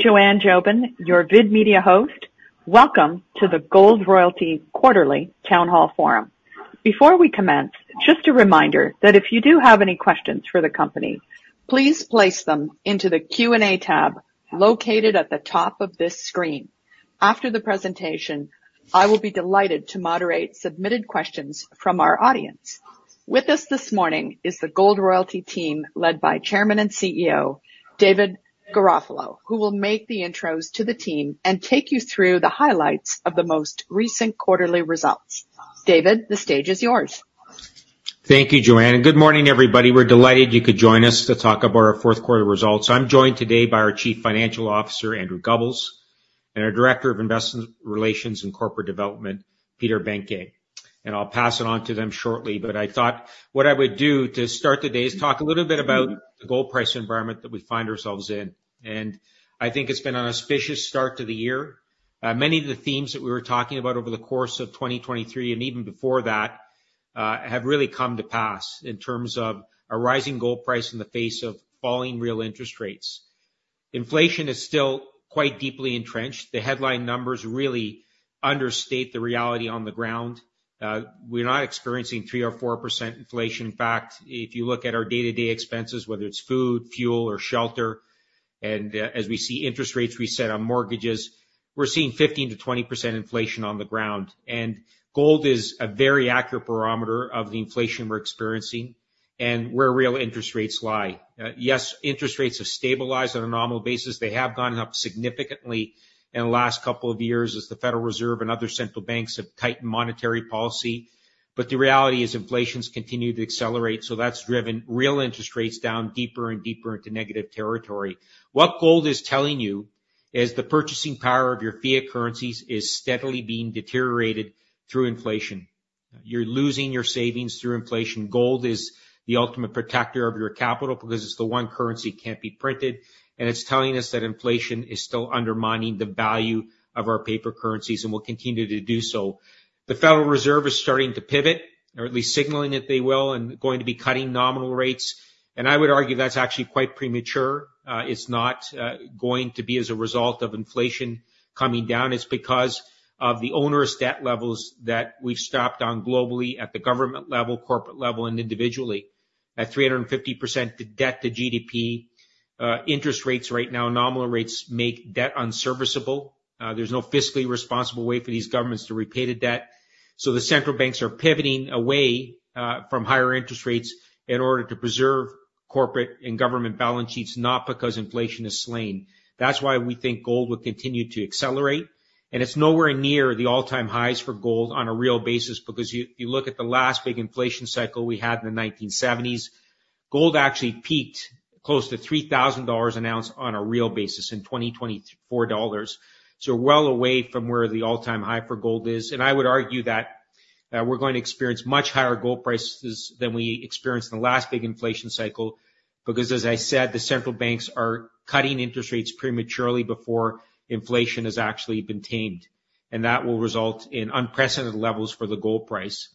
Joanne Jobin, your VID Media host. Welcome to the Gold Royalty Quarterly Town Hall Forum. Before we commence, just a reminder that if you do have any questions for the company, please place them into the Q&A tab located at the top of this screen. After the presentation, I will be delighted to moderate submitted questions from our audience. With us this morning is the Gold Royalty team, led by Chairman and CEO, David Garofalo, who will make the intros to the team and take you through the highlights of the most recent quarterly results. David, the stage is yours. Thank you, Joanne, and good morning, everybody. We're delighted you could join us to talk about our fourth quarter results. I'm joined today by our Chief Financial Officer, Andrew Gubbels, and our Director of Investment Relations and Corporate Development, Peter Behncke. I'll pass it on to them shortly, but I thought what I would do to start the day is talk a little bit about the gold price environment that we find ourselves in, and I think it's been an auspicious start to the year. Many of the themes that we were talking about over the course of 2023, and even before that, have really come to pass in terms of a rising gold price in the face of falling real interest rates. Inflation is still quite deeply entrenched. The headline numbers really understate the reality on the ground. We're not experiencing 3% or 4% inflation. In fact, if you look at our day-to-day expenses, whether it's food, fuel or shelter, and as we see interest rates reset on mortgages, we're seeing 15%-20% inflation on the ground. And gold is a very accurate barometer of the inflation we're experiencing and where real interest rates lie. Yes, interest rates have stabilized on a nominal basis. They have gone up significantly in the last couple of years as the Federal Reserve and other central banks have tightened monetary policy. But the reality is, inflation's continued to accelerate, so that's driven real interest rates down deeper and deeper into negative territory. What gold is telling you is the purchasing power of your fiat currencies is steadily being deteriorated through inflation. You're losing your savings through inflation. Gold is the ultimate protector of your capital because it's the one currency that can't be printed, and it's telling us that inflation is still undermining the value of our paper currencies and will continue to do so. The Federal Reserve is starting to pivot, or at least signaling that they will, and going to be cutting nominal rates, and I would argue that's actually quite premature. It's not going to be as a result of inflation coming down; it's because of the onerous debt levels that we've stopped on globally at the government level, corporate level, and individually, at 350% debt to GDP. Interest rates right now, nominal rates, make debt unserviceable. There's no fiscally responsible way for these governments to repay the debt. So the central banks are pivoting away from higher interest rates in order to preserve corporate and government balance sheets, not because inflation is slain. That's why we think gold will continue to accelerate, and it's nowhere near the all-time highs for gold on a real basis because you look at the last big inflation cycle we had in the 1970s, gold actually peaked close to $3,000 an ounce on a real basis in 2024 dollars. So we're well away from where the all-time high for gold is. And I would argue that we're going to experience much higher gold prices than we experienced in the last big inflation cycle, because, as I said, the central banks are cutting interest rates prematurely before inflation has actually been tamed, and that will result in unprecedented levels for the gold price.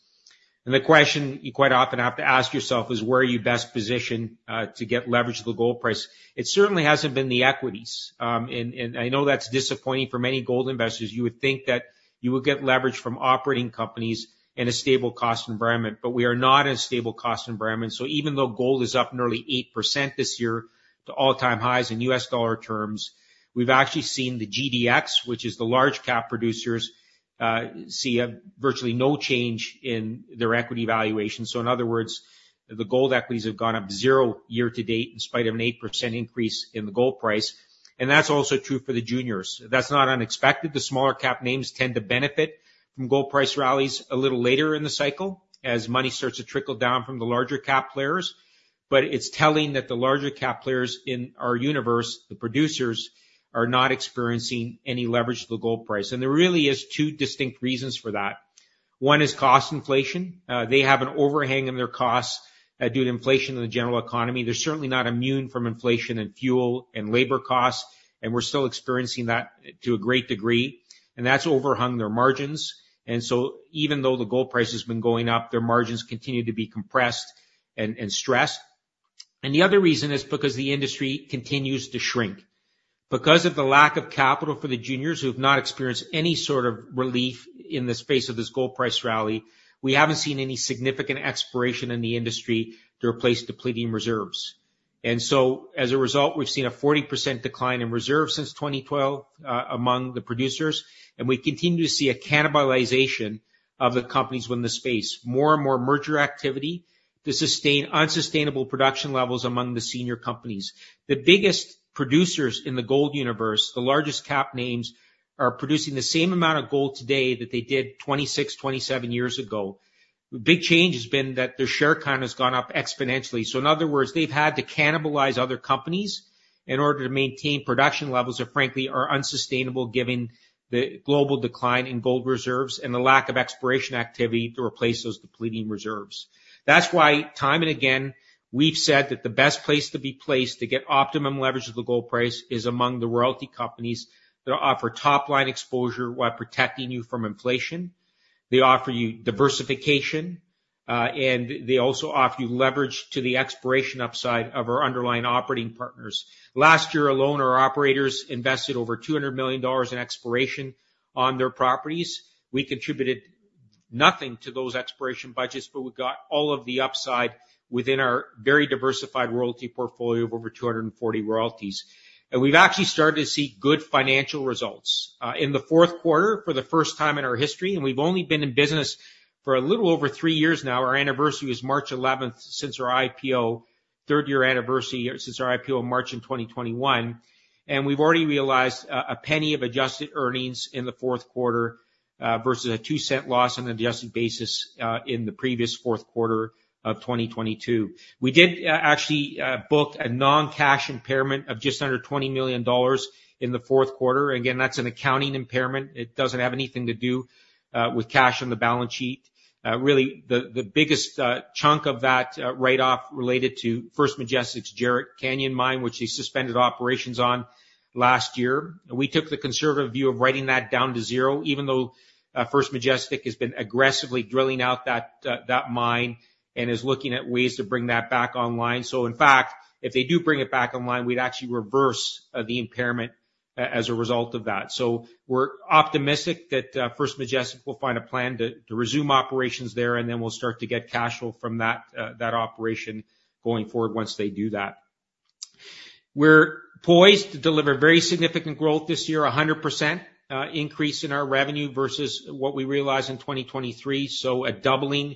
The question you quite often have to ask yourself is, where are you best positioned to get leverage to the gold price? It certainly hasn't been the equities. I know that's disappointing for many gold investors. You would think that you would get leverage from operating companies in a stable cost environment, but we are not in a stable cost environment. So even though gold is up nearly 8% this year, to all-time highs in U.S. dollar terms, we've actually seen the GDX, which is the large cap producers, see virtually no change in their equity valuation. So in other words, the gold equities have gone up 0 year to date, in spite of an 8% increase in the gold price, and that's also true for the juniors. That's not unexpected. The smaller cap names tend to benefit from gold price rallies a little later in the cycle, as money starts to trickle down from the larger cap players. But it's telling that the larger cap players in our universe, the producers, are not experiencing any leverage to the gold price, and there really is two distinct reasons for that. One is cost inflation, they have an overhang in their costs, due to inflation in the general economy. They're certainly not immune from inflation and fuel and labor costs, and we're still experiencing that to a great degree, and that's overhung their margins. And so even though the gold price has been going up, their margins continue to be compressed and stressed. And the other reason is because the industry continues to shrink. Because of the lack of capital for the juniors who have not experienced any sort of relief in the space of this gold price rally, we haven't seen any significant exploration in the industry to replace depleting reserves. And so, as a result, we've seen a 40% decline in reserves since 2012 among the producers, and we continue to see a cannibalization of the companies within the space. More and more merger activity to sustain unsustainable production levels among the senior companies. The biggest producers in the gold universe, the largest cap names, are producing the same amount of gold today that they did 26, 27 years ago. The big change has been that their share count has gone up exponentially. So in other words, they've had to cannibalize other companies in order to maintain production levels that, frankly, are unsustainable given the global decline in gold reserves and the lack of exploration activity to replace those depleting reserves. That's why, time and again, we've said that the best place to be placed to get optimum leverage of the gold price is among the royalty companies that offer top-line exposure while protecting you from inflation. They offer you diversification, and they also offer you leverage to the exploration upside of our underlying operating partners. Last year alone, our operators invested over $200 million in exploration on their properties. We contributed nothing to those exploration budgets, but we got all of the upside within our very diversified royalty portfolio of over 240 royalties. And we've actually started to see good financial results. In the fourth quarter, for the first time in our history, and we've only been in business for a little over three years now. Our anniversary is March eleventh, since our IPO, third-year anniversary year since our IPO in March in 2021, and we've already realized a penny of adjusted earnings in the fourth quarter versus a two cent loss on an adjusted basis in the previous fourth quarter of 2022. We did actually book a non-cash impairment of just under $20 million in the fourth quarter. Again, that's an accounting impairment. It doesn't have anything to do with cash on the balance sheet. Really, the biggest chunk of that write-off related to First Majestic's Jerritt Canyon Mine, which they suspended operations on last year. We took the conservative view of writing that down to zero, even though First Majestic has been aggressively drilling out that mine and is looking at ways to bring that back online. So in fact, if they do bring it back online, we'd actually reverse the impairment as a result of that. So we're optimistic that First Majestic will find a plan to resume operations there, and then we'll start to get cash flow from that operation going forward once they do that. We're poised to deliver very significant growth this year, 100% increase in our revenue versus what we realized in 2023, so a doubling.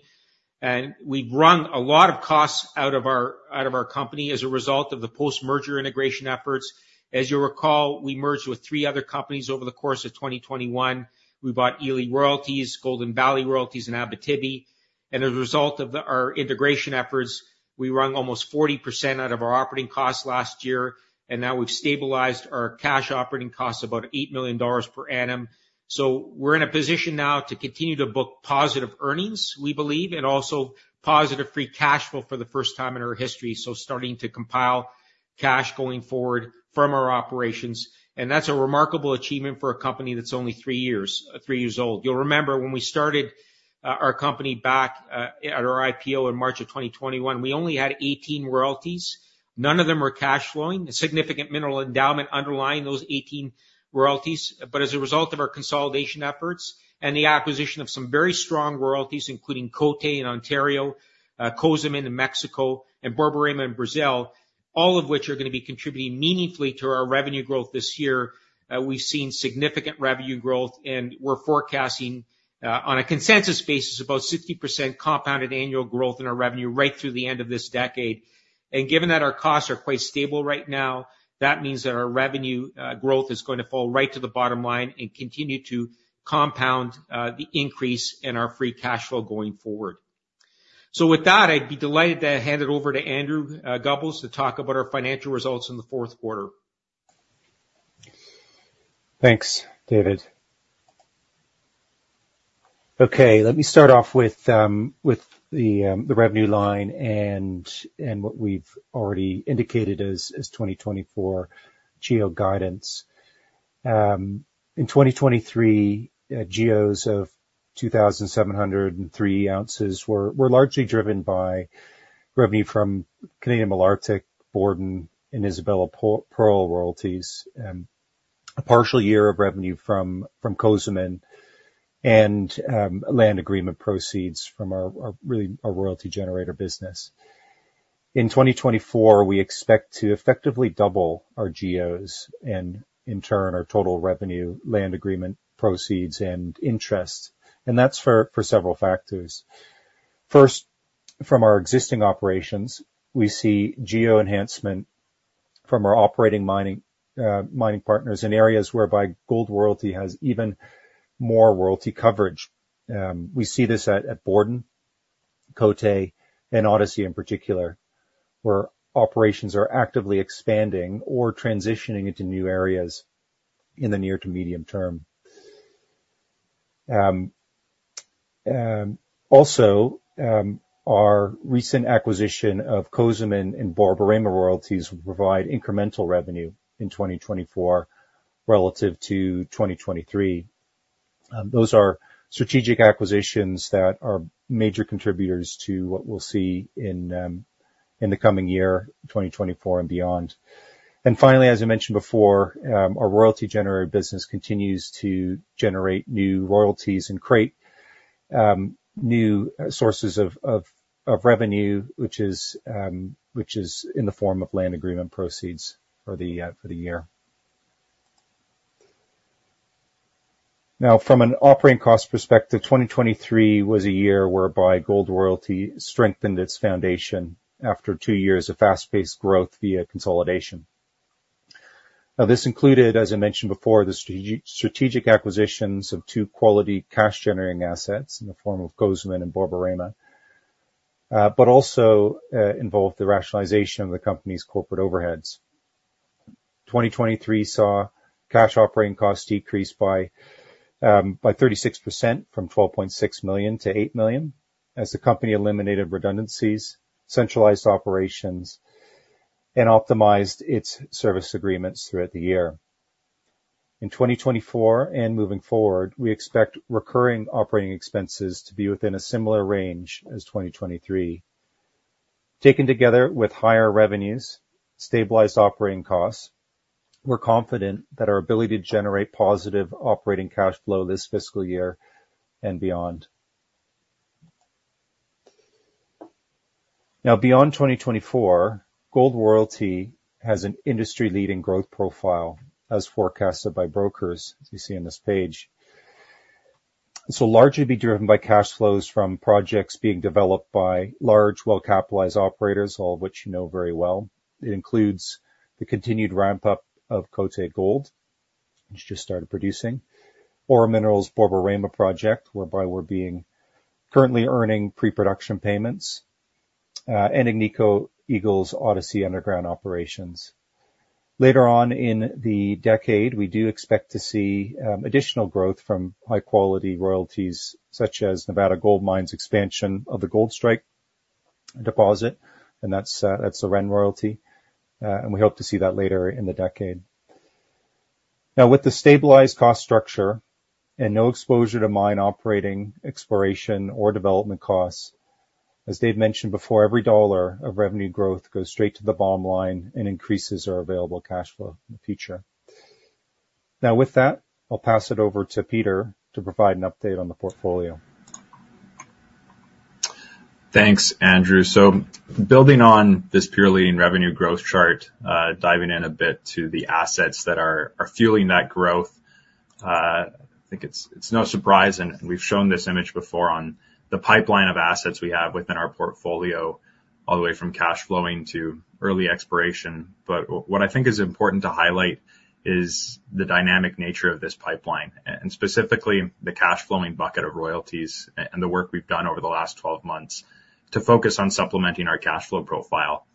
And we've rung a lot of costs out of our company as a result of the post-merger integration efforts. As you'll recall, we merged with three other companies over the course of 2021. We bought Ely Gold Royalties, Golden Valley Mines and Royalties, and Abitibi Royalties. And as a result of our integration efforts, we wrung almost 40% out of our operating costs last year, and now we've stabilized our cash operating costs at about $8 million per annum. So we're in a position now to continue to book positive earnings, we believe, and also positive free cash flow for the first time in our history, so starting to compile cash going forward from our operations, and that's a remarkable achievement for a company that's only three years old. You'll remember when we started our company back at our IPO in March of 2021, we only had 18 royalties. None of them were cash flowing. A significant mineral endowment underlying those 18 royalties, but as a result of our consolidation efforts and the acquisition of some very strong royalties, including Côté in Ontario, Cozamin in Mexico, and Borborema in Brazil, all of which are gonna be contributing meaningfully to our revenue growth this year. We've seen significant revenue growth, and we're forecasting, on a consensus basis, about 60% compounded annual growth in our revenue right through the end of this decade. Given that our costs are quite stable right now, that means that our revenue growth is going to fall right to the bottom line and continue to compound the increase in our free cash flow going forward. So with that, I'd be delighted to hand it over to Andrew Gubbels, to talk about our financial results in the fourth quarter. Thanks, David. Okay, let me start off with the revenue line and what we've already indicated as 2024 GEO guidance. In 2023, GEOs of 2,703 ounces were largely driven by revenue from Canadian Malartic, Borden, and Isabella Pearl Royalties, a partial year of revenue from Cozamin and land agreement proceeds from our royalty generator business. In 2024, we expect to effectively double our GEOs and, in turn, our total revenue, land agreement proceeds and interest, and that's for several factors. First, from our existing operations, we see GEO enhancement from our operating mining partners in areas whereby Gold Royalty has even more royalty coverage. We see this at Borden, Côté, and Odyssey in particular, where operations are actively expanding or transitioning into new areas in the near to medium term. Our recent acquisition of Cozamin and Borborema Royalties will provide incremental revenue in 2024 relative to 2023. Those are strategic acquisitions that are major contributors to what we'll see in the coming year, 2024 and beyond. And finally, as I mentioned before, our royalty generator business continues to generate new royalties and create new sources of revenue, which is in the form of land agreement proceeds for the year. Now, from an operating cost perspective, 2023 was a year whereby Gold Royalty strengthened its foundation after two years of fast-paced growth via consolidation. Now, this included, as I mentioned before, the strategic acquisitions of two quality cash-generating assets in the form of Cozamin and Borborema, but also involved the rationalization of the company's corporate overheads. 2023 saw cash operating costs decrease by 36%, from $12.6 million to $8 million, as the company eliminated redundancies, centralized operations, and optimized its service agreements throughout the year. In 2024 and moving forward, we expect recurring operating expenses to be within a similar range as 2023. Taken together with higher revenues, stabilized operating costs, we're confident that our ability to generate positive operating cash flow this fiscal year and beyond. Now, beyond 2024, Gold Royalty has an industry-leading growth profile as forecasted by brokers, as you see on this page. This will largely be driven by cash flows from projects being developed by large, well-capitalized operators, all of which you know very well. It includes the continued ramp-up of Côté Gold, which just started producing, Aura Minerals' Borborema project, whereby we're being currently earning pre-production payments, and Agnico Eagle's Odyssey underground operations. Later on in the decade, we do expect to see additional growth from high-quality royalties, such as Nevada Gold Mines' expansion of the Goldstrike deposit, and that's the Ren Royalty, and we hope to see that later in the decade. Now, with the stabilized cost structure and no exposure to mine operating, exploration, or development costs, as Dave mentioned before, every dollar of revenue growth goes straight to the bottom line and increases our available cash flow in the future. Now, with that, I'll pass it over to Peter to provide an update on the portfolio. Thanks, Andrew. So building on this purely revenue growth chart, diving in a bit to the assets that are fueling that growth, I think it's no surprise, and we've shown this image before on the pipeline of assets we have within our portfolio, all the way from cash flowing to early exploration. But what I think is important to highlight is the dynamic nature of this pipeline, and specifically, the cash-flowing bucket of royalties and the work we've done over the last 12 months to focus on supplementing our cash flow profile.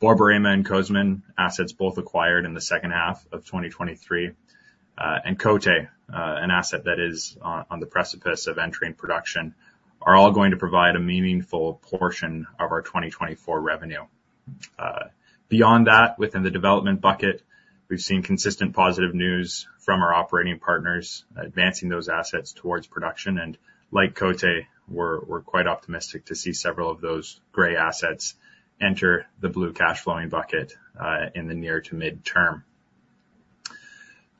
Borborema and Cozamin assets, both acquired in the second half of 2023, and Côté, an asset that is on the precipice of entering production, are all going to provide a meaningful portion of our 2024 revenue. Beyond that, within the development bucket, we've seen consistent positive news from our operating partners, advancing those assets towards production, and like Côté, we're quite optimistic to see several of those gray assets enter the blue cash flowing bucket, in the near- to mid-term.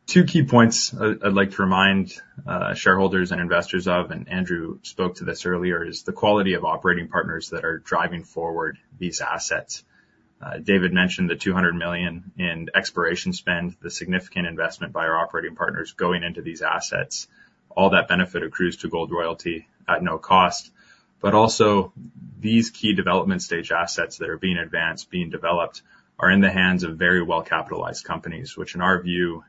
Two key points I'd like to remind shareholders and investors of, and Andrew spoke to this earlier, is the quality of operating partners that are driving forward these assets. David mentioned the $200 million in exploration spend, the significant investment by our operating partners going into these assets. All that benefit accrues to Gold Royalty at no cost. But also, these key development stage assets that are being advanced, being developed, are in the hands of very well-capitalized companies, which, in our view,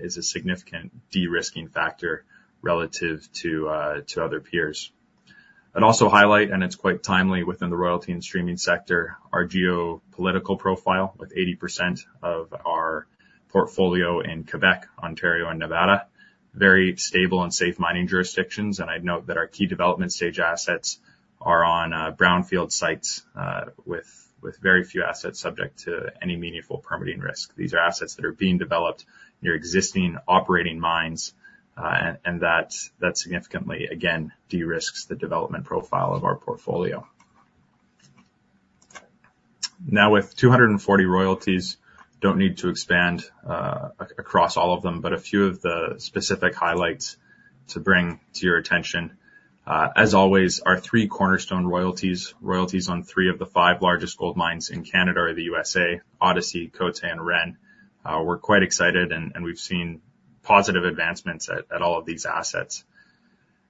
is a significant de-risking factor relative to other peers. I'd also highlight, and it's quite timely within the royalty and streaming sector, our geopolitical profile, with 80% of our portfolio in Quebec, Ontario, and Nevada, very stable and safe mining jurisdictions. I'd note that our key development stage assets are on brownfield sites, with very few assets subject to any meaningful permitting risk. These are assets that are being developed near existing operating mines, and that significantly, again, de-risks the development profile of our portfolio. Now, with 240 royalties, don't need to expand across all of them, but a few of the specific highlights to bring to your attention. As always, our three cornerstone royalties, royalties on three of the five largest gold mines in Canada or the USA, Odyssey, Côté, and Ren. We're quite excited and we've seen positive advancements at all of these assets.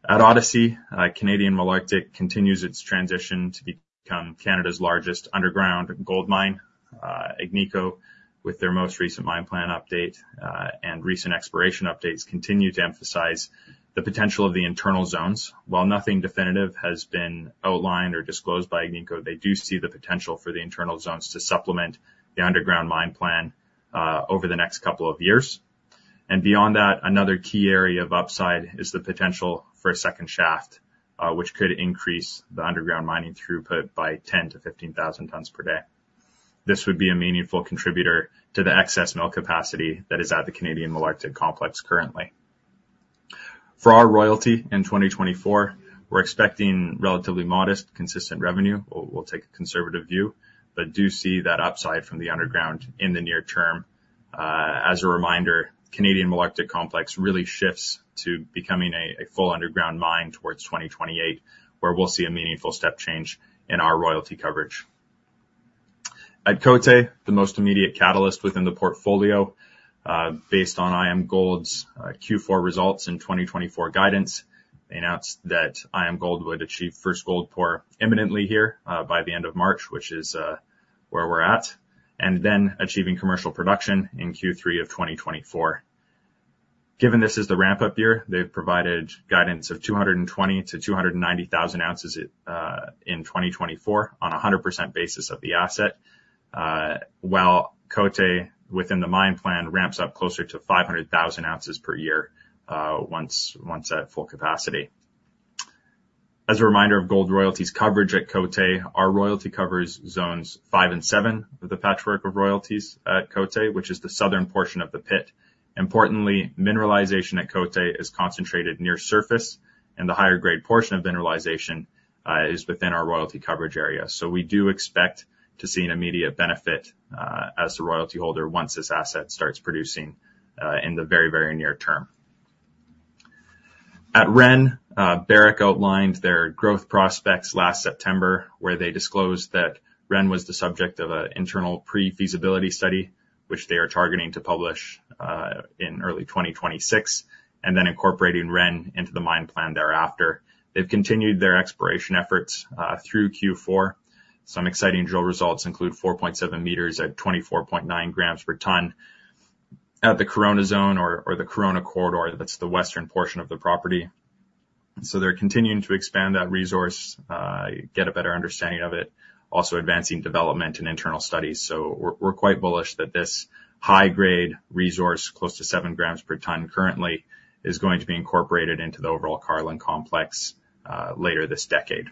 At Odyssey, Canadian Malartic continues its transition to become Canada's largest underground gold mine. Agnico, with their most recent mine plan update and recent exploration updates, continue to emphasize the potential of the internal zones. While nothing definitive has been outlined or disclosed by Agnico, they do see the potential for the internal zones to supplement the underground mine plan over the next couple of years. And beyond that, another key area of upside is the potential for a second shaft, which could increase the underground mining throughput by 10,000-15,000 tons per day. This would be a meaningful contributor to the excess mill capacity that is at the Canadian Malartic Complex currently. For our royalty in 2024, we're expecting relatively modest, consistent revenue. We'll, we'll take a conservative view, but do see that upside from the underground in the near term. As a reminder, Canadian Malartic Complex really shifts to becoming a full underground mine towards 2028, where we'll see a meaningful step change in our royalty coverage. At Côté, the most immediate catalyst within the portfolio, based on IAMGOLD's Q4 results and 2024 guidance, they announced that IAMGOLD would achieve first gold pour imminently here, by the end of March, which is where we're at, and then achieving commercial production in Q3 of 2024. Given this is the ramp-up year, they've provided guidance of 220,000-290,000 ounces in 2024 on a 100% basis of the asset. While Côté, within the mine plan, ramps up closer to 500,000 ounces per year, once, once at full capacity. As a reminder of Gold Royalty's coverage at Côté, our royalty covers Zones 5 and 7 of the patchwork of royalties at Côté, which is the southern portion of the pit. Importantly, mineralization at Côté is concentrated near surface, and the higher grade portion of mineralization is within our royalty coverage area. So we do expect to see an immediate benefit as the royalty holder once this asset starts producing in the very, very near term. At Ren, Barrick outlined their growth prospects last September, where they disclosed that Ren was the subject of an internal pre-feasibility study, which they are targeting to publish in early 2026, and then incorporating Ren into the mine plan thereafter. They've continued their exploration efforts through Q4. Some exciting drill results include 4.7 meters at 24.9 grams per ton at the Corona Zone or the Corona Corridor, that's the western portion of the property. So they're continuing to expand that resource, get a better understanding of it, also advancing development and internal studies. So we're quite bullish that this high-grade resource, close to seven grams per ton currently, is going to be incorporated into the overall Carlin complex later this decade.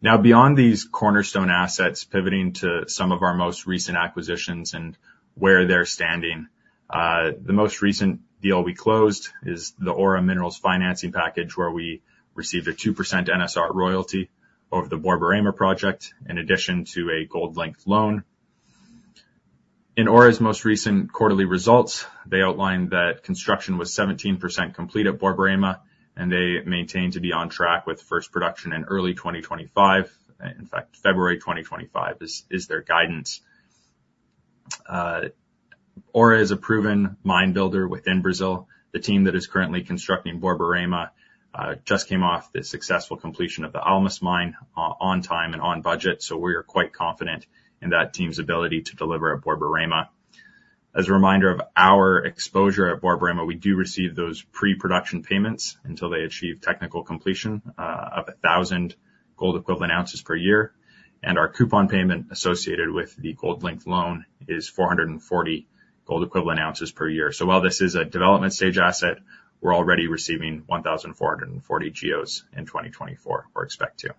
Now, beyond these cornerstone assets, pivoting to some of our most recent acquisitions and where they're standing, the most recent deal we closed is the Aura Minerals financing package, where we received a 2% NSR royalty over the Borborema project, in addition to a gold-linked loan. In Aura's most recent quarterly results, they outlined that construction was 17% complete at Borborema, and they maintained to be on track with first production in early 2025. In fact, February 2025 is their guidance. Aura is a proven mine builder within Brazil. The team that is currently constructing Borborema just came off the successful completion of the Almas Mine, on time and on budget, so we are quite confident in that team's ability to deliver at Borborema. As a reminder of our exposure at Borborema, we do receive those pre-production payments until they achieve technical completion of 1,000 gold equivalent ounces per year, and our coupon payment associated with the gold-linked loan is 440 gold equivalent ounces per year. So while this is a development stage asset, we're already receiving 1,440 GEOs in 2024, or expect to.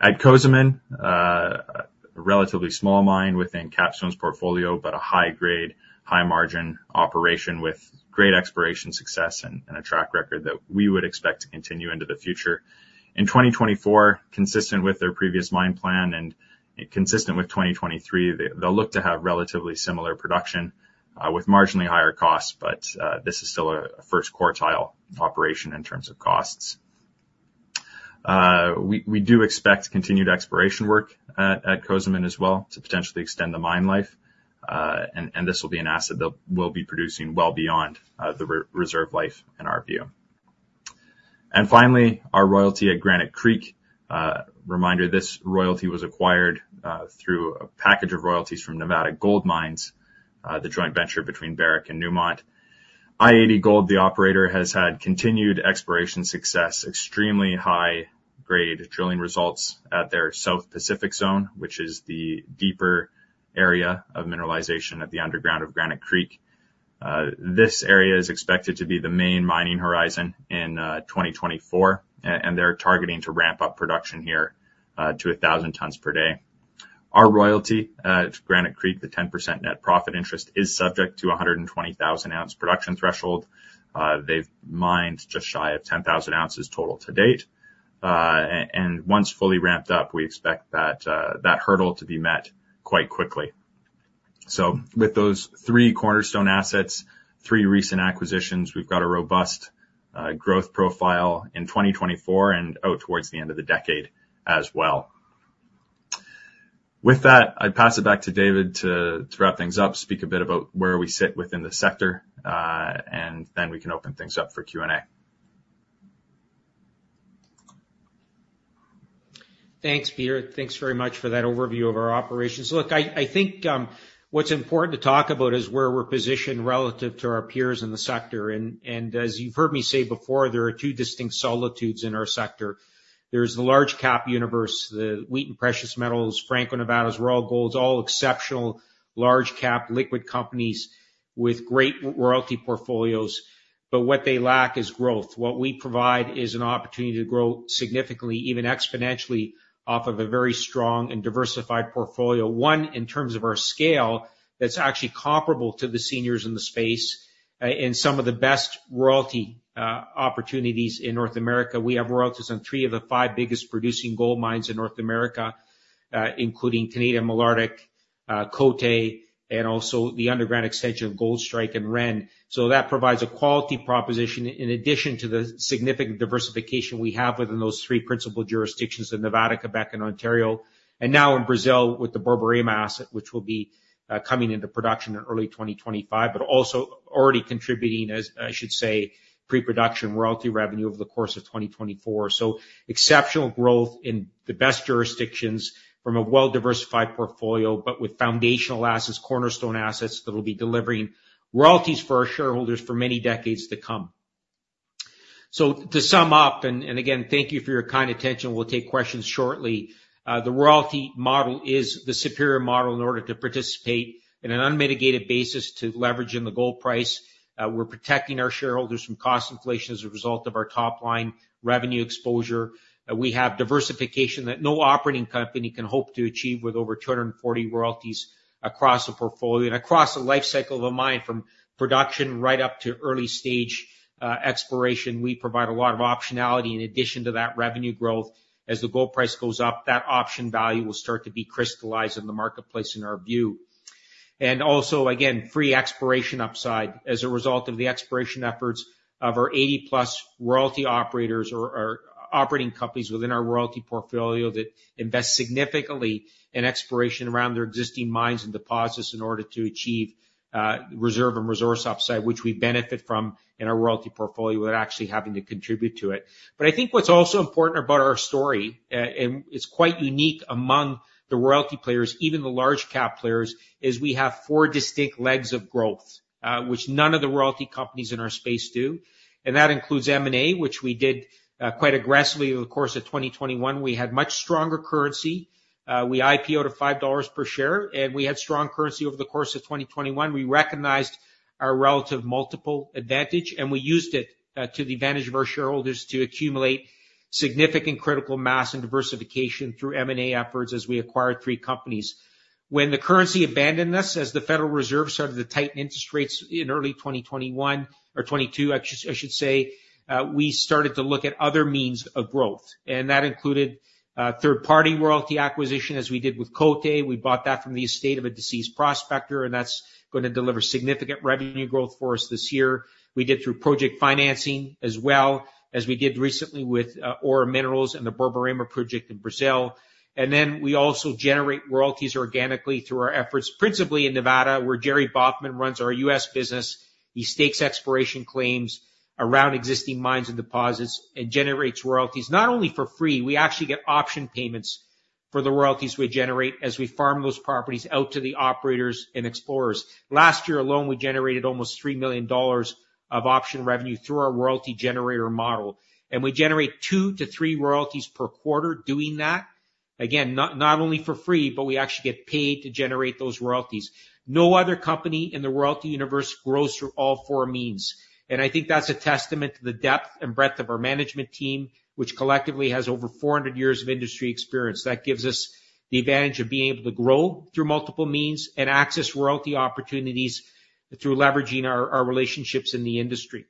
At Cozamin, a relatively small mine within Capstone's portfolio, but a high grade, high margin operation with great exploration success and a track record that we would expect to continue into the future. In 2024, consistent with their previous mine plan and consistent with 2023, they'll look to have relatively similar production with marginally higher costs, but this is still a first quartile operation in terms of costs. We do expect continued exploration work at Cozamin as well, to potentially extend the mine life. And this will be an asset that will be producing well beyond the reserve life in our view. And finally, our royalty at Granite Creek. Reminder, this royalty was acquired through a package of royalties from Nevada Gold Mines, the joint venture between Barrick and Newmont. i-80 Gold, the operator, has had continued exploration success, extremely high-grade drilling results at their South Pacific Zone, which is the deeper area of mineralization at the underground of Granite Creek. This area is expected to be the main mining horizon in 2024, and they're targeting to ramp up production here to 1,000 tons per day. Our royalty to Granite Creek, the 10% net profit interest, is subject to a 120,000-ounce production threshold. They've mined just shy of 10,000 ounces total to date. And once fully ramped up, we expect that hurdle to be met quite quickly. So with those three cornerstone assets, three recent acquisitions, we've got a robust growth profile in 2024 and out towards the end of the decade as well. With that, I pass it back to David to wrap things up, speak a bit about where we sit within the sector, and then we can open things up for Q&A. Thanks, Peter. Thanks very much for that overview of our operations. Look, I think what's important to talk about is where we're positioned relative to our peers in the sector, and as you've heard me say before, there are two distinct solitudes in our sector. There's the large cap universe, the Wheaton Precious Metals, Franco-Nevada's, Royal Gold's, all exceptional large cap liquid companies with great royalty portfolios, but what they lack is growth. What we provide is an opportunity to grow significantly, even exponentially, off of a very strong and diversified portfolio. One, in terms of our scale, that's actually comparable to the seniors in the space, and some of the best royalty opportunities in North America. We have royalties on three of the five biggest producing gold mines in North America, including Canadian Malartic, Côté, and also the underground extension of Goldstrike and Ren. So that provides a quality proposition in addition to the significant diversification we have within those three principal jurisdictions in Nevada, Quebec, and Ontario, and now in Brazil with the Borborema asset, which will be coming into production in early 2025, but also already contributing, as I should say, pre-production royalty revenue over the course of 2024. So exceptional growth in the best jurisdictions from a well-diversified portfolio, but with foundational assets, cornerstone assets, that will be delivering royalties for our shareholders for many decades to come. So to sum up, and, and again, thank you for your kind attention. We'll take questions shortly. The royalty model is the superior model in order to participate in an unmitigated basis to leverage in the gold price. We're protecting our shareholders from cost inflation as a result of our top line revenue exposure. We have diversification that no operating company can hope to achieve, with over 240 royalties across the portfolio and across the life cycle of a mine, from production right up to early stage exploration. We provide a lot of optionality in addition to that revenue growth. As the gold price goes up, that option value will start to be crystallized in the marketplace, in our view. And also, again, free exploration upside as a result of the exploration efforts of our 80+ royalty operators or operating companies within our royalty portfolio that invest significantly in exploration around their existing mines and deposits in order to achieve reserve and resource upside, which we benefit from in our royalty portfolio, without actually having to contribute to it. But I think what's also important about our story, and it's quite unique among the royalty players, even the large-cap players, is we have four distinct legs of growth, which none of the royalty companies in our space do, and that includes M&A, which we did quite aggressively over the course of 2021. We had much stronger currency. We IPO to $5 per share, and we had strong currency over the course of 2021. We recognized our relative multiple advantage, and we used it to the advantage of our shareholders to accumulate significant critical mass and diversification through M&A efforts as we acquired three companies. When the currency abandoned us, as the Federal Reserve started to tighten interest rates in early 2021 or 2022, I should, I should say, we started to look at other means of growth, and that included third-party royalty acquisition, as we did with Côté. We bought that from the estate of a deceased prospector, and that's gonna deliver significant revenue growth for us this year. We did through project financing, as well as we did recently with Aura Minerals and the Borborema project in Brazil. And then we also generate royalties organically through our efforts, principally in Nevada, where Jerry Baughman runs our U.S. business. He stakes exploration claims around existing mines and deposits and generates royalties, not only for free, we actually get option payments for the royalties we generate as we farm those properties out to the operators and explorers. Last year alone, we generated almost $3 million of option revenue through our royalty generator model, and we generate two to three royalties per quarter doing that. Again, not only for free, but we actually get paid to generate those royalties. No other company in the royalty universe grows through all four means, and I think that's a testament to the depth and breadth of our management team, which collectively has over 400 years of industry experience. That gives us the advantage of being able to grow through multiple means and access royalty opportunities through leveraging our relationships in the industry.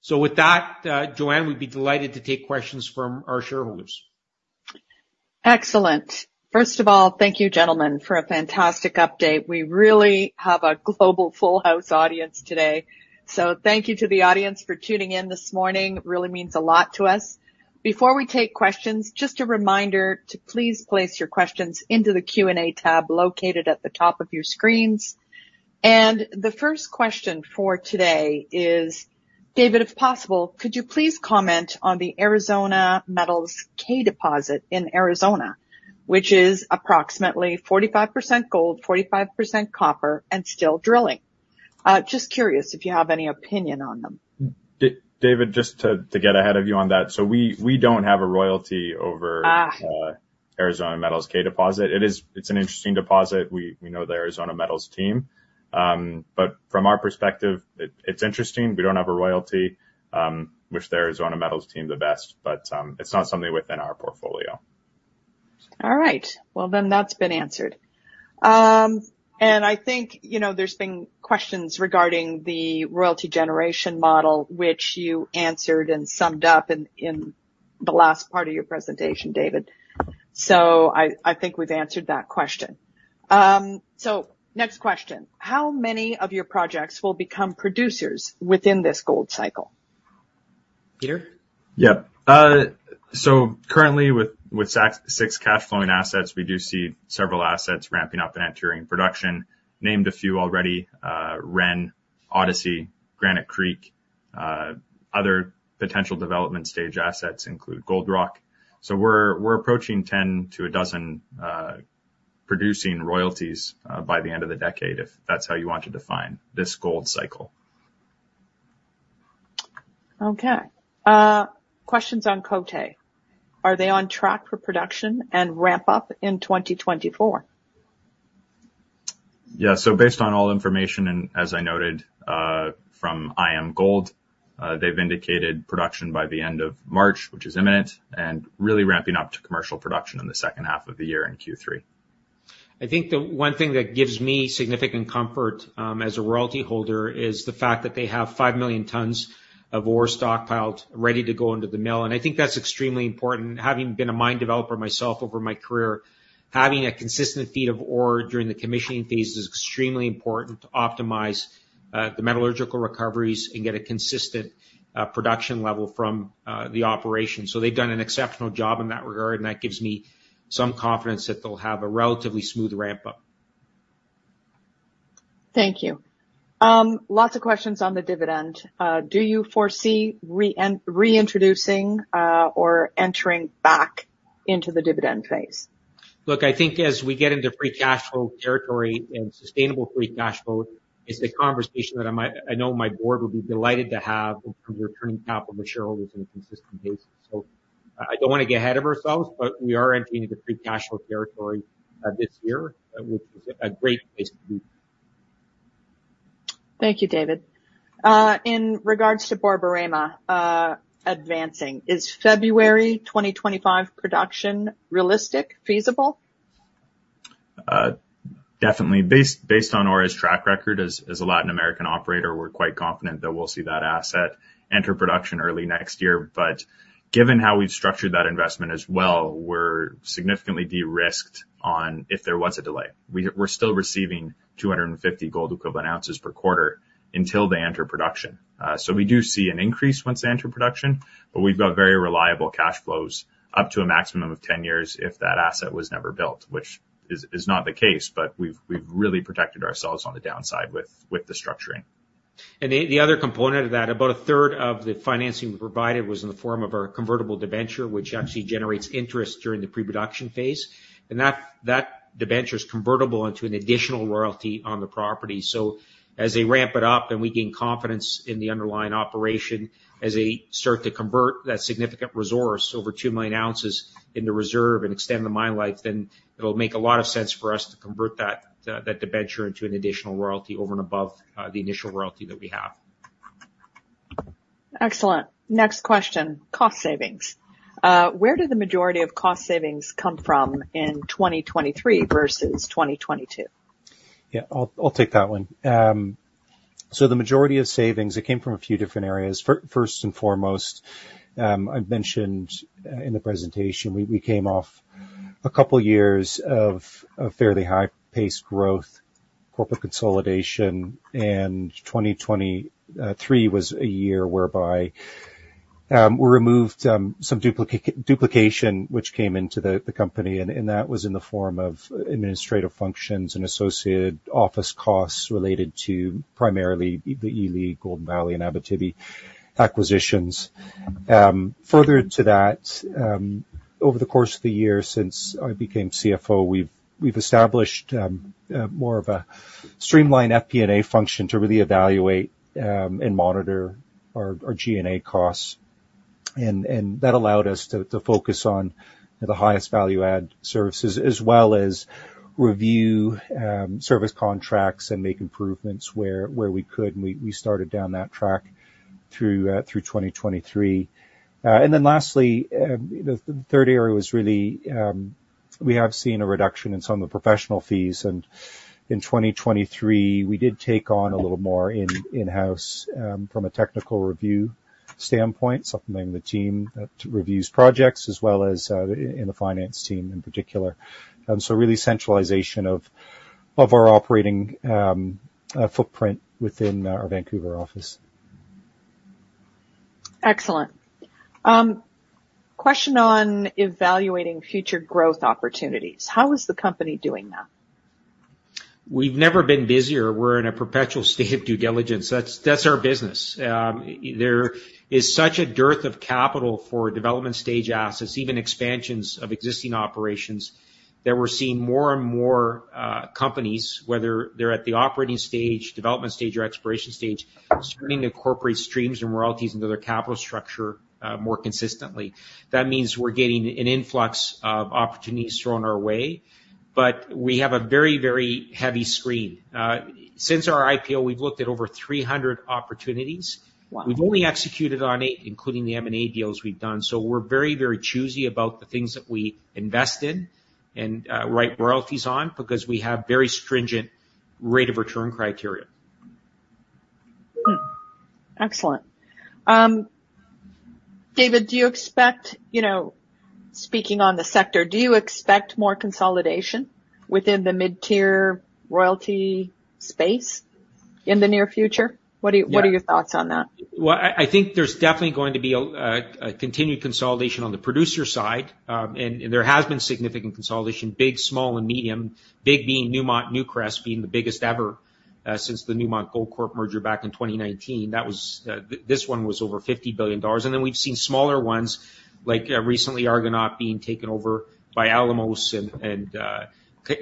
So with that, Joanne, we'd be delighted to take questions from our shareholders. Excellent. First of all, thank you, gentlemen, for a fantastic update. We really have a global full house audience today, so thank you to the audience for tuning in this morning. It really means a lot to us. Before we take questions, just a reminder to please place your questions into the Q&A tab located at the top of your screens. The first question for today is, David, if possible, could you please comment on the Arizona Metals Kay deposit in Arizona, which is approximately 45% gold, 45% copper, and still drilling? Just curious if you have any opinion on them. David, just to get ahead of you on that, so we don't have a royalty over- Ah. Arizona Metals K deposit. It is, it's an interesting deposit. We know the Arizona Metals team, but from our perspective, it's interesting. We don't have a royalty. Wish the Arizona Metals team the best, but it's not something within our portfolio. All right. Well, then, that's been answered. And I think, you know, there's been questions regarding the royalty generation model, which you answered and summed up in the last part of your presentation, David, so I think we've answered that question. So next question: How many of your projects will become producers within this gold cycle? Peter? Yeah. So currently, with, with six, six cash flowing assets, we do see several assets ramping up and entering production. Named a few already, Ren, Odyssey, Granite Creek, other potential development stage assets include Gold Rock. So we're, we're approaching 10 to a dozen, producing royalties, by the end of the decade, if that's how you want to define this gold cycle. Okay. Questions on Côté: Are they on track for production and ramp up in 2024? Yeah. So based on all information, and as I noted, from IAMGOLD, they've indicated production by the end of March, which is imminent, and really ramping up to commercial production in the second half of the year, in Q3. I think the one thing that gives me significant comfort, as a royalty holder is the fact that they have 5 million tons of ore stockpiled, ready to go into the mill, and I think that's extremely important. Having been a mine developer myself over my career, having a consistent feed of ore during the commissioning phase is extremely important to optimize, the metallurgical recoveries and get a consistent, production level from, the operation. So they've done an exceptional job in that regard, and that gives me some confidence that they'll have a relatively smooth ramp up. Thank you. Lots of questions on the dividend. Do you foresee reintroducing or entering back into the dividend phase?... Look, I think as we get into free cash flow territory and sustainable free cash flow, it's a conversation that I might, I know my board would be delighted to have from returning capital to shareholders on a consistent basis. So I, I don't wanna get ahead of ourselves, but we are entering into free cash flow territory, this year, which is a great place to be. Thank you, David. In regards to Borborema advancing, is February 2025 production realistic, feasible? Definitely. Based on Aura's track record as, as a Latin American operator, we're quite confident that we'll see that asset enter production early next year. But given how we've structured that investment as well, we're significantly de-risked on if there was a delay. We're still receiving 250 gold equivalent ounces per quarter until they enter production. So we do see an increase once they enter production, but we've got very reliable cash flows up to a maximum of 10 years if that asset was never built, which is not the case. But we've really protected ourselves on the downside with the structuring. And the other component of that, about a third of the financing we provided was in the form of our convertible debenture, which actually generates interest during the pre-production phase. And that debenture is convertible into an additional royalty on the property. So as they ramp it up and we gain confidence in the underlying operation, as they start to convert that significant resource, over 2 million ounces in the reserve and extend the mine life, then it'll make a lot of sense for us to convert that, that debenture into an additional royalty over and above, the initial royalty that we have. Excellent. Next question, cost savings. Where do the majority of cost savings come from in 2023 versus 2022? Yeah, I'll take that one. So the majority of savings, it came from a few different areas. First and foremost, I've mentioned in the presentation, we came off a couple years of a fairly high-paced growth, corporate consolidation, and 2023 was a year whereby we removed some duplication, which came into the company, and that was in the form of administrative functions and associated office costs related to primarily the Ely, Golden Valley, and Abitibi acquisitions. Further to that, over the course of the year since I became CFO, we've established more of a streamlined FP&A function to really evaluate and monitor our G&A costs. And that allowed us to focus on the highest value add services, as well as review service contracts and make improvements where we could, and we started down that track through 2023. And then lastly, the third area was really we have seen a reduction in some of the professional fees, and in 2023, we did take on a little more in-house from a technical review standpoint, supplementing the team to review projects, as well as in the finance team, in particular. So really centralization of our operating footprint within our Vancouver office. Excellent. Question on evaluating future growth opportunities. How is the company doing that? We've never been busier. We're in a perpetual state of due diligence. That's, that's our business. There is such a dearth of capital for development stage assets, even expansions of existing operations, that we're seeing more and more companies, whether they're at the operating stage, development stage, or exploration stage, starting to incorporate streams and royalties into their capital structure more consistently. That means we're getting an influx of opportunities thrown our way, but we have a very, very heavy screen. Since our IPO, we've looked at over 300 opportunities. Wow! We've only executed on eight, including the M&A deals we've done. So we're very, very choosy about the things that we invest in and write royalties on, because we have very stringent rate of return criteria. Excellent. David, do you expect, you know, speaking on the sector, do you expect more consolidation within the mid-tier royalty space in the near future? What are you- Yeah. What are your thoughts on that? Well, I think there's definitely going to be a continued consolidation on the producer side, and there has been significant consolidation, big, small, and medium. Big being Newmont and Newcrest being the biggest ever, since the Newmont and Goldcorp merger back in 2019. That was, this one was over $50 billion. And then we've seen smaller ones, like, recently Argonaut being taken over by Alamos and,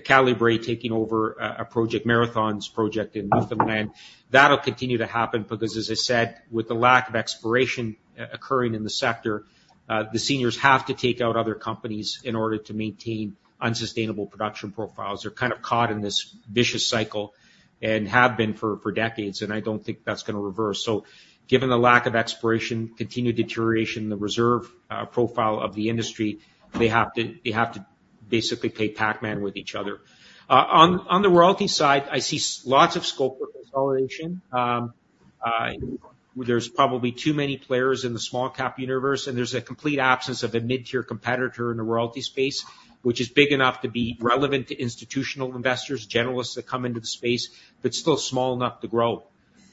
Calibre taking over a project, Marathon's project in Newfoundland. That'll continue to happen because, as I said, with the lack of exploration occurring in the sector, the seniors have to take out other companies in order to maintain unsustainable production profiles. They're kind of caught in this vicious cycle and have been for decades, and I don't think that's gonna reverse. So given the lack of exploration, continued deterioration in the reserve profile of the industry, they have to, they have to basically play Pac-Man with each other. On, on the royalty side, I see lots of scope for consolidation. There's probably too many players in the small cap universe, and there's a complete absence of a mid-tier competitor in the royalty space, which is big enough to be relevant to institutional investors, generalists that come into the space, but still small enough to grow.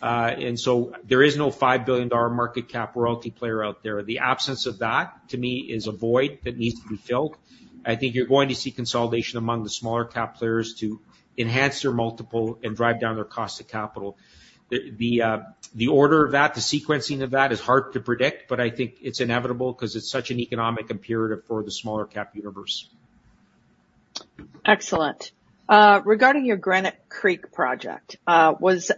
And so there is no $5 billion market cap royalty player out there. The absence of that, to me, is a void that needs to be filled. I think you're going to see consolidation among the smaller cap players to enhance their multiple and drive down their cost of capital. The order of that, the sequencing of that, is hard to predict, but I think it's inevitable 'cause it's such an economic imperative for the smaller cap universe. ... Excellent. Regarding your Granite Creek project, was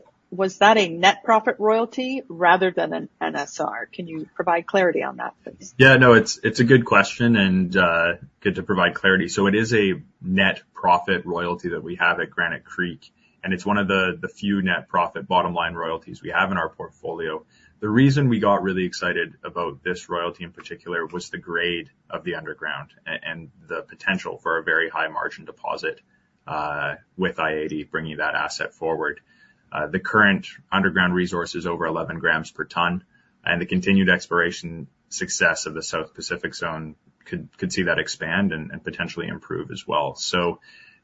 that a net profit royalty rather than an NSR? Can you provide clarity on that, please? Yeah, no, it's a good question, and good to provide clarity. So it is a net profit royalty that we have at Granite Creek, and it's one of the few net profit bottom line royalties we have in our portfolio. The reason we got really excited about this royalty in particular was the grade of the underground and the potential for a very high margin deposit with i-80 bringing that asset forward. The current underground resource is over 11 grams per tonne, and the continued exploration success of the South Pacific zone could see that expand and potentially improve as well. So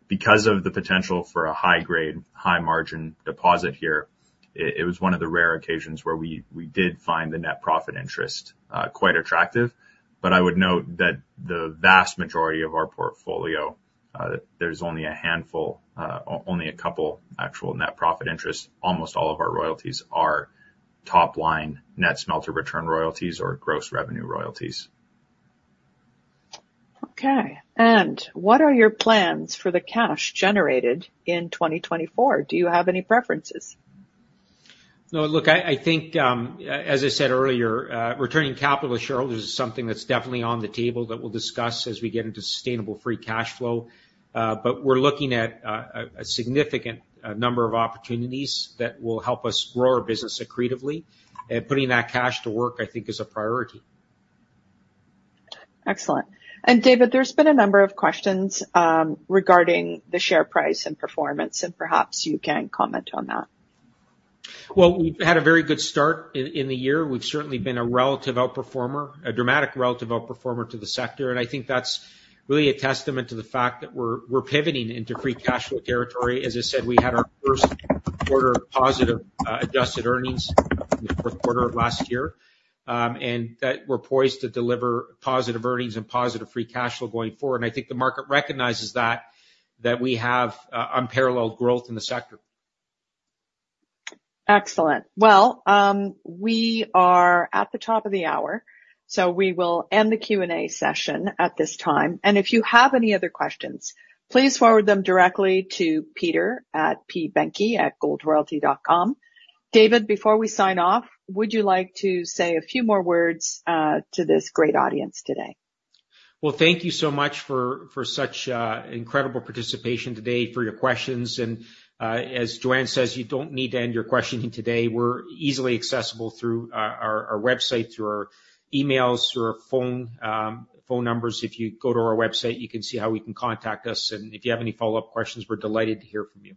because of the potential for a high grade, high margin deposit here, it was one of the rare occasions where we did find the net profit interest quite attractive. But I would note that the vast majority of our portfolio, there's only a handful, only a couple actual net profit interests. Almost all of our royalties are top line net smelter return royalties or gross revenue royalties. Okay, and what are your plans for the cash generated in 2024? Do you have any preferences? No, look, I think, as I said earlier, returning capital to shareholders is something that's definitely on the table that we'll discuss as we get into sustainable free cashflow. But we're looking at a significant number of opportunities that will help us grow our business accretively, and putting that cash to work, I think, is a priority. Excellent. And David, there's been a number of questions regarding the share price and performance, and perhaps you can comment on that. Well, we've had a very good start in the year. We've certainly been a relative outperformer, a dramatic relative performer to the sector, and I think that's really a testament to the fact that we're pivoting into free cash flow territory. As I said, we had our first quarter positive adjusted earnings in the fourth quarter of last year. And that we're poised to deliver positive earnings and positive free cash flow going forward, and I think the market recognizes that we have unparalleled growth in the sector. Excellent. Well, we are at the top of the hour, so we will end the Q&A session at this time. And if you have any other questions, please forward them directly to Peter at pbehncke@goldroyalty.com. David, before we sign off, would you like to say a few more words to this great audience today? Well, thank you so much for such incredible participation today, for your questions, and as Joanne says, you don't need to end your questioning today. We're easily accessible through our website, through our emails, through our phone, phone numbers. If you go to our website, you can see how we can contact us, and if you have any follow-up questions, we're delighted to hear from you.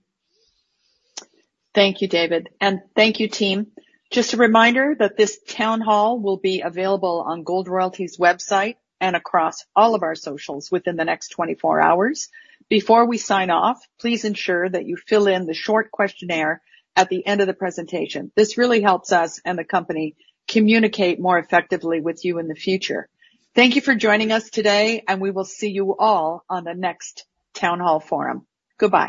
Thank you, David, and thank you, team. Just a reminder that this town hall will be available on Gold Royalty's website and across all of our socials within the next 24 hours. Before we sign off, please ensure that you fill in the short questionnaire at the end of the presentation. This really helps us and the company communicate more effectively with you in the future. Thank you for joining us today, and we will see you all on the next town hall forum. Goodbye.